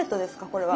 これは。